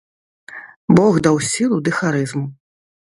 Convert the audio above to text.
Бог даў сілу ды харызму.